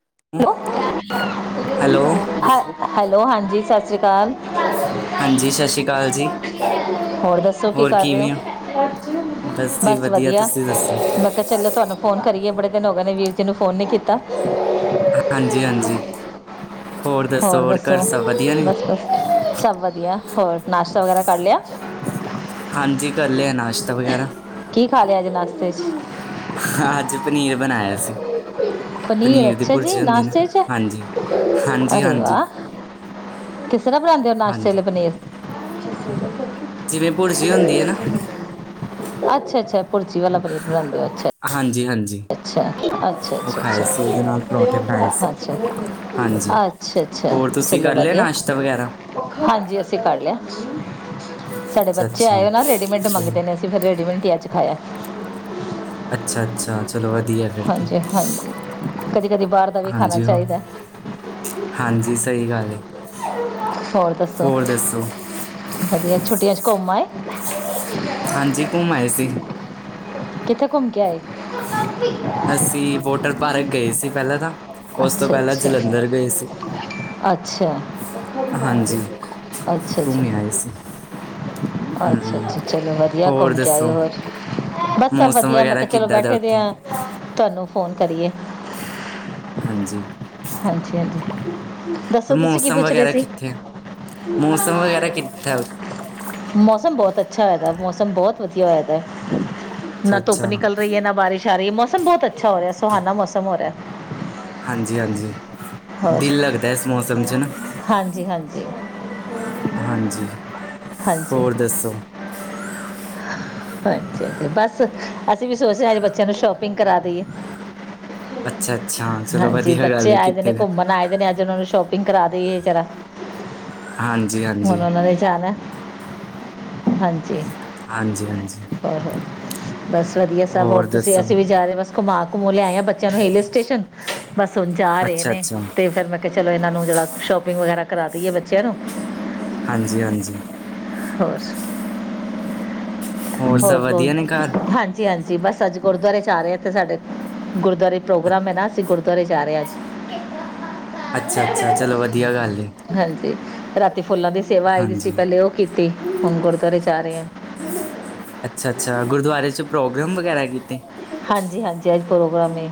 [inaudible] Hello hello ਹਾਂਜੀ ਸਤਿ ਸ਼੍ਰੀ ਅਕਾਲ ਹਾਂਜੀ ਸਤਿ ਸ਼੍ਰੀ ਅਕਾਲ ਜੀ ਹੋਰ ਦੱਸੋ ਕੀ ਹੋਰ ਕਰ ਰਹੇ ਹੋ ਕਿਵੇਂ ਜੀ ਬਸ ਵਧੀਆ ਤੁਸੀਂ ਦੱਸੋ ਮੈਂ ਕਿਹਾ ਚਲੋ ਤੁਹਾਨੂੰ ਫੋਨ ਕਰੀਏ ਬੜੇ ਨ ਕਹ ਨੇ ਵੀਰ ਜੀ ਨੂੰ ਫੋਨ ਨ ਨਹੀਂ ਕੀਤਾ ਹਾਂਜੀ ਹਾਂਜੀ ਹੋਰ ਦੱਸੋ ਹੋਰ ਘਰ ਸਭ ਵਧੀਆ ਨੇ ਬਸ ਬਸ ਸਭ ਵਧੀਆ ਹੋਰ ਨਾਸ਼ਤਾ ਵਗੈਰਾ ਕਰ ਲਿਆ? ਹਾਂਜੀ ਕਰ ਲਿਆ ਨਾਸ਼ਤਾ ਵਗੈਰਾ। ਕੀ ਖਾ ਲਿਆ ਨਾਸ਼ਤੇ ਚ ਅਸੀ ਪਨੀਰ ਅੱਛਾ ਜੀ ਨਾ ਨਾਸ਼ਤੇ ' ਹਾਂਜੀ ਹਾਂਜੀ ਅਰੇ ਹਾਂਜੀ ਵਾਹ। ਜੜਾ ਬਣਾਉਂਦੇ ਹਾਂਜੀ ਨਾਸ਼ਤੇੇ ਪਨੀਰ [unintelligible] ਜਿਵੇਂ ਪੁਰਜੀ ਹੁੰਦੀ ਹੈ ਨਾ। ਅੱਛਾ ਅੱਛਾ ਪੁਰਜੀ ਵਾਲਾ ਪਨੀਤ ਬਣਾਉਂਦੇ ਹੋ। ਹਾਂਜੀ। ਹਾਂਜੀ ਅੱਛਾ ਅੱਛਾ ਅੱਛਾ ਉਹ ਅੱਛਾ ਖਾਏ ਸੀ ਉਹਦੇ ਨਾਲ ਪਰੌਂਠੇ ਬਣਾਏ ਅੱਛਾ ਸੀ ਹਾਂਜੀ ਅੱਛਾ ਅੱਛਾ ਅੱਛਾ ਹੋਰ ਤੁਸੀਂ ਚਲੋ ਕਰ ਲਿਆ ਵਧੀਆ ਨਾਸ਼ਤਾ ਵਗੈਰਾ ਹਾਂਜੀ ਅਸੀਂ ਕਰ ਲਿਆ। ਹ। ਸਾਡੇ ਅੱਛਾ ਬੱਚੇ ਅੱਛਾ ਆਏ ਨਾ ਰੈਡੀਮੇਡ ਚਲੋ ਮੰਗਦੇ ਨੇ ਅਸੀਂ ਫਿਰ ਰੈਡੀਮੇਡ- ਖਾਇਅ ਅੱਛਾ ਅੱਛਾ ਚਲੋ ਵਧੀਆ ਫਿਰ ਤੇ ਹਾਂਜੀ ਹਾਂਜੀ ਕਦੀ ਕਦੀ ਬਾਹਰ ਦਾ ਵੀ ਖਾਣਾ ਹਾਂਜੀ ਹੋ ਚਾਹੀਦਾ ਹਾਂਜੀ ਸਹੀ ਗੱਲ ਹੋਰ ਦੱਸੋ? ਵਧੀਆ ਛੁੱਟੀਆਂ 'ਚ ਘੁੰਮ ਆਏ? ਹਾਂਜੀ ਘੁੰਮ ਆਏ ਸੀ। ਕਿੱਥੇ ਘੁੰਮ ਕੇ ਆਏ? ਅਸੀਂ ਵੋਟਰ ਪਾਰਕ ਗਏ ਸੀ ਪਹਿਲਾਂ ਤਾਂ। ਉਸ ਤੋਂ ਅੱਛਾ ਪਹਿਲਾਂ ਜਲੰਧਰ ਗਏ ਸੀ। ਅੱਛਾ। ਹਾਂਜੀ, ਅੱਛਾ ਅੱਛਾ ਘੁੰਮੇ ਆਏ ਸੀ। ਹੂੰ, ਅੱਛਾ ਅੱਛਾ ਚਲੋ ਵਧੀਆ ਹੋਰ ਘੁੰਮ ਕੇ ਆਏ ਦੱਸੋ? ਹੋਰ ਬਸ ਸਭ ਮੌਸਮ ਵਧੀਆ ਮੈਂ ਵਗੈਰਾ ਕਿਹਾ ਚਲੋ ਕਿੱਦਾਂ ਦਾ ਬੈਠੇ ਦੇ ਉੱਥੇ? ਆ ਤੁਹਾਨੂੰ ਫੋਨ ਕਰੀ ਏ ਹਾਂਜੀ। ਹਾਂਜੀ ਹਾਂਜੀ। ਹਰ ਦੱਸੋ ਤੁਸੀਂ ਕੀ ਮੌਸਮ ਪੁੱਛ ਰਹੇ ਵਗੈਰਾ ਸੀ ਕਿੱਥੇ ਮੌਸਮ ਵਗੈਰਾ ਕਿੱਥੇ ਮੌਸਮ ਬਹੁਤ ਅੱਛਾ ਹੋਇਆਦਾ ਮੌਸਮ ਬਹੁਤ ਵਧੀਆ ਹੋਇਆਦਾ। ਨਾ ਧੁੱਪ ਅੱਛਾ-ਅੱਛਾ, ਨਿਕਲ ਰਹੀ ਹੈ ਨਾ ਬਾਰਿਸ਼ ਆ ਰਹੀ ਹੈ ਮੌਸਮ ਬਹੁਤ ਅੱਛਾ ਹੋ ਰਿਹਾ ਸੁਹਾਨਾ ਮੌਸਮ ਹੋ ਰਿਹਾ। ਹਾਂਜੀ। ਹਾਂਜੀ ਹਾਂਜੀ ਹੋਰ ਦਿਲ ਲੱਗਦਾ ਇਸ ਮੌਸਮ ਚ ਨਾ। ਹਾਂਜੀ ਹਾਂਜੀ ਹਾਂਜੀ ਹਾਂਜੀ ਹੋਰ ਦੱਸੋ? ਹਾਂਜੀ ਹਾਂ ਬਸ ਅਸੀਂ ਵੀ ਸੋਚ ਰਹੇ ਹਾਂ ਅਜ ਬੱਚਿਆਂ ਨੂੰ ਸ਼ੋਪਿੰਗ ਕਰਾ ਦਇਏ ਅੱਛਾ-ਅੱਛਾ, ਚਲੋ ਹਾਂਜੀ ਵਧੀਆ ਗੱਲ ਬੱਚੇ ਏ ਆਏ ਦੇ ਕਿੱਥੇ ਨੇ ਦਾ। ਘੁੰਮਣ ਆਏ ਦੇ ਨੇ ਅੱਜ ਉਹਨਾਂ ਨੂੰ ਸ਼ੋਪ ਸ਼ੋਪਿੰਗ ਕਰਾ ਦੇਈਏ ਜਰਾ ਹੁਣ ਹਾਂਜੀ-ਹਾਂਜੀ, ਉਹਨਾਂ ਨੂੰ ਵੀ ਜਾਨਾ ਹੈ। ਹਾਂਜੀ ਹਾਂਜੀ ਹਾਂ ਅ ਹ ਬਸ ਵਧੀਆ ਸਬ, ਹੋਰ ਤੁਸੀਂ ਅਸੀਂ ਵੀ ਜਾ ਰਹੇ ਬਸ ਘੁਮਾ ਘੁਮੁ ਲਿਆਏ ਆ ਬੱਚਿਆਂ ਨੂੰ ਹਿਲ ਸਟੇਸ਼ਨ ਬਸ ਹੁਣ ਜਾ ਰਹੇ ਅੱਛਾ ਨੇ ਅੱਛਾ ਤੇ ਫਿਰ ਮੈਂ ਕੇ ਚਲੋ ਇਨਾਂ ਨੂੰ ਜੇੜਾ ਸ਼ੋਪਿੰਗ ਵਗੈਰਾ ਕਰਾ ਦਈਏ ਬੱਚੇਆਂ ਨੂੰ। ਹਾਂਜੀ, ਹਾਂਜੀ। ਹੋਸ। ਹੋਰ ਸਭ ਹੋਰ, ਵਧੀਆ ਨੇ ਘਰ ਹਾਂਜੀ ਹਾਂਜੀ, ਬਸ ਸੱੱਚ ਗੁਰਦੁਆਰੇ ਚ ਆ ਰਹੇ ਇੱਥੇ ਸਾਡੇ। ਗੁਰਦੁਆਰੇ ਪ੍ਰੋਗਰਾਮ ਹੈ ਅ- ਨਾ ਅਸੀ ਗੁਰ ਤਰੇ ਜਾ ਰਏ ਅੱਜ। ਅੱਛਾ ਅੱਛਾ, ਚਲੋ ਵਧੀਆ ਗੱਲ ਏ। ਹਾਂਜੀ ਰਾਤੀ ਤੇ ਫੁੱਲਾਂ ਦੀ ਸੇਵਾ ਆਈ ਦੀ ਸੀ ਹਾਂਜੀ ਪੈਲੇ ਓ ਕੀਤੀ ਤੇ ਹੁਨ ਗੁਰਦੋਰੇ ਜਾ ਰਏ ਆ। ਅੱਛਾ ਅੱਛਾ, ਗੁਰਦੁਆਰੇ ਚ ਪ੍ਰੋਗਰਮ ਵਗੈਰਾ ਕੀਤੇ? ਹਾਂਜੀ ਹਾਂਜੀ, ਅੱਜ ਪ੍ਰੋਗਰਾਮ ਏ।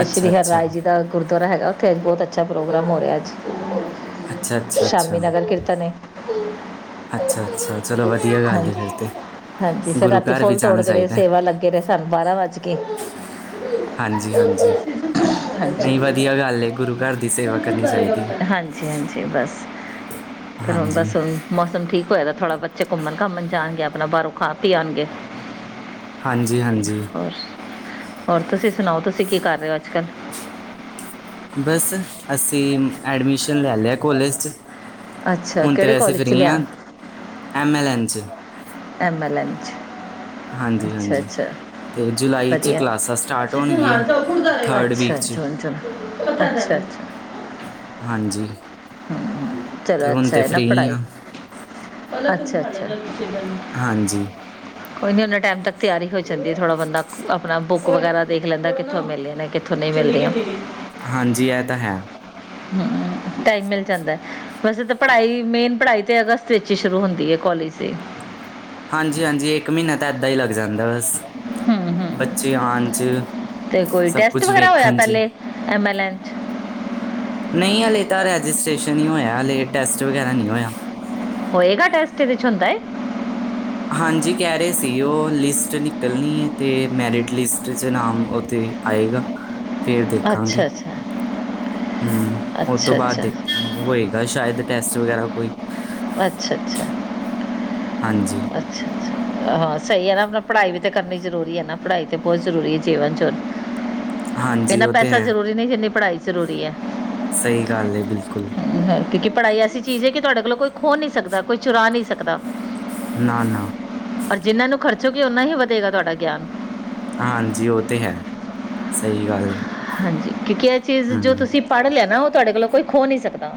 ਅੱਛਾ ਸ਼੍ਰੀ ਹਰ ਅੱਛਾ ਰਾਯ ਜੀ ਦਾ ਗੁਰ ਦੁਆਰਾ ਹੈਗਾ ਉੱਥੇ, ਬੋਹਤ ਅੱਛਾ ਪ੍ਰੋਗਰਾਮ ਹੋ ਰੇਹਾ ਅੱਛਾ ਅੱਜ। ਅੱਛਾ ਅੱਛਾ ਸ਼ਾਮੀ ਨਗਰ ਕੀਰਤਨ ਏ। ਅੱਛਾ ਅੱਛਾ ਚਲੋ ਵਧੀਆ ਗੱਲ ਏ ਫਿਰ ਹਾਂਜੀ ਤੇ ਹਾਂਜੀ, ਫੇਰ ਗੁਰੂ ਰਾਤੀ ਘਰ ਵੀ ਫੁੱਲ ਜਾਣਾ ਤੋੜਦੇ ਰਏ ਚਾਹੀਦਾ ਹੈ। ਸੇਵਾ ਲੱਗੇ ਰਏ ਸਾਨੂੰ ਬਾਰਾਂ ਵੱਜ ਕੇ ਹਾਂਜੀ ਹਾਂਜੀ ਹਾਂਜੀ, ਨਹੀਂ ਵਧੀਆ ਗੱਲ ਏ ਗੁਰੂ ਘਰ ਦੀ ਸੇਵਾ ਕਰਨੀ ਚਾਹੀਦੀ ਹੈ ਹਾਂਜੀ ਹਾਂਜੀ ਬਸ ਫੇਰ ਹੁਨ ਹਾਂਜੀ ਬਸ ਹੁਨ ਮੌਸਮ ਠੀਕ ਹੋਏ ਥੋੜਾ ਬੱਚੇ ਘੁੰਮਣ ਘਾਮਣ ਜਾਣਗੇ ਆਪਣਾ ਬਾਰੋ ਖਾ ਪੀ ਆਣਗੇ। ਹਾਂਜ ਜੀ ਹਾਂਜੀ। ਹੋਰ ਤੁਸੀ ਸੁਨਾਓ, ਤੁਸੀਂ ਕੀ ਕਰ ਰਹੇ ਹੋ ਅੱਜ-ਕੱਲ? ਬਸ ਅਸੀਂ ਐਡਮਿਸ਼ਨ ਲੈ ਲਿਆ ਕੋਲੇਜ 'ਚ ਅੱਛਾ ਹੁਣ ਤਾਂ ਕਿਹੜੇ ਵੈਸੇ ਕਾਲਜ 'ਚ ਫ੍ਰੀ ਲਿਆ ਹਾਂ, ਐਮ ਐੱਲਨ 'ਚ ਏਮੈਲੰਚ। ਹਾਂਜੀ-ਹਾਂਜੀ, ਤੇ ਜੁਲਾਈ'ਚ ਵਧੀਆ ਕਲਾਸਾਂ ਸਟਾਰਟ ਹੋਣਗੀਆਂ, ਥਰਡ ਵੀਕ 'ਚ। ਅੱਛਾ-ਅੱਛਾ। ਹਾਂਜੀ। ਤੇ ਚਲੋ ਹੁਣ ਅੱਛਾ ਤੇ ਇ ਨਾ ਫ੍ਰਰੀ ਪੜ੍ਹਾਈ ਆ ਅੱਛਾ-ਅੱਛਾ। ਹਾਂਜੀ। ਕੋਈ ਨੀ ਹੋਂਦਾ ਟਾਈਮ ਤੱਕ ਤਿਆਰੀ ਹੋ ਜਾਂਦੀ ਏ, ਥੋੜ੍ਹਾ ਬੰਦਾ ਆਪਣਾ ਬੁੱਕ ਵਗੈਰਾ ਦੇਖ ਲੈਂਦਾ ਕਿੱਥੋਂ ਮਿਲੇ ਨੇ ਕਿੱਥੋਂ ਨਈ ਮਿਲਦੀਆਂ। ਹਾਂਜੀ, ਇ ਤਾਂ ਹੈ। ਹੰ, ਟਾਈਮ ਮਿਲ ਜਾਂਦੈ, ਵੈਸੇ ਤਾਂ ਪੜ੍ਹਾਈ, ਮੇਨ ਪੜ੍ਹਾਈ ਤੇ ਅਗਸਤ ਵਿੱਚ ਹੀ ਸ਼ੁਰੂ ਹੁੰਦੀ ਹੈ ਕੋਲਜ ਦਿ। ਹਾਂਜੀ-ਹਾਂਜੀ, ਇੱਕ ਮੀੱਨਾ ਤਾਂ ਏਦਾਂ ਇ ਲੱਗ ਜਾਂਦਾ ਬਸ। ਹੰ-ਹੰ, ਬੱਚੇ ਆਣ 'ਚ ਤੇ ਕੋਈ ਸਭ ਟੈਸਟ ਕੁਝ ਵਗੈਰਾ ਹੋਇਆ ਵੇਖਣ 'ਚ ਪੈੱਲੇ ਏਮੇਲੇਨ? ਨੀਂ ਹੱਲੇ ਤ ਰਜਿਸਟ੍ਰੇਸ਼ਨ ਈ ਹੋਇਆ, ਹਲੇ ਟੈਸਟ ਵਗੈਰਾ ਨੀ ਹੋਇਆ। ਹੋਏਗਾ ਟੈਸਟ ਇਹਦੇ 'ਚ ਹੁੰਦਾ ਏ? ਹਾਂਜੀ ਕਹਿ ਰਹੇ ਸੀ ਓ, ਲਿਸਟ ਨਿਕਲਣੀ ਹੈ ਤੇ ਮੈਰਿਟ ਲਿਸਟ ਚ, ਨਾਮ ਓ ਤੇ ਆਏਗਾ। ਫਿਰ ਦੇਖਾਂਗੇ। ਅੱਛਾ ਅੱਛਾ ਹੂਂ ਉਹ ਤੋਂ ਅੱਛਾ ਅੱਛਾ ਬਾਅਦ ਅੱਛਾ ਹੋਏਗਾ ਸ਼ਾਇਦ ਪੈਸ ਵਗੈਰਾ ਕੋਈ ਹਾਂਜੀ। ਅੱਛਾ-ਅੱਛਾ ਆਹਾਂ ਸਹੀ ਹੈ ਨਾ ਪੜ੍ਹਾਈ ਵੀ ਤਾਂ ਕਰਨੀ ਜ਼ਰੂਰੀ ਹੈ ਨਾ ਪੜ੍ਹਾਈ ਤੇ ਬਹੁਤ ਜ਼ਰੂਰੀ ਹੈ ਜੀਵਨ ਚ ਹਾਂਜੀ ਇੰਨਾ ਉਹ ਤੇ ਪੈਸਾ ਹੈ, ਜ਼ਰੂਰੀ ਨਹੀਂ ਜਿੰਨੀ ਪੜ੍ਹਾਈ ਜ਼ਰੂਰੀ ਹੈ ਸਹੀ ਗੱਲ ਹੈ ਬਿਲਕੁਲ ਪੜਾਈ ਐਸੀ ਚੀਜ਼ ਹੈ ਕਿ ਤੁਹਾਡੇ ਕੋਲੋ ਕੋਈ ਖੋ ਨਹੀਂ ਸਕਦਾ ਕੋਈ ਚੁਰਾ ਨਹੀਂ ਸਕਦਾ ਨਾ ਨਾ ਔਰ ਜਿੰਹਨ੍ਹਾਂ ਨੂੰ ਖਰਚੋਗੇ ਉਹਨਾ ਹੀ ਵਧੇਗਾ ਤੁਹਾਡਾ ਗਿਆਨ ਹਾਂਜੀ ਉਹ ਤੇ ਹੈ ਸਹੀ ਗੱਲ ਏ ਹਾਂਜੀ ਕਿਉਂਕਿ ਇਹ ਚੀਜ਼ ਜੋ ਹੂੰ। ਤੁਸੀਂ ਪੜ੍ਹ ਲਿਆ ਨਾ ਓ ਤੁਹਾਡੇ ਕੋਲੋਂ ਕੋਈ ਖੋ ਨੀ ਸਕਦਾ